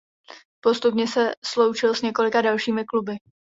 Postupně se sloučil s několika dalšími kluby.